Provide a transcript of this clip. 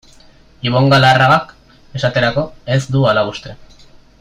Ibon Galarragak, esaterako, ez du hala uste.